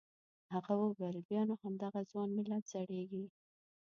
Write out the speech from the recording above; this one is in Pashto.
هغه وویل بیا نو همدغه ځوان ملت زړیږي.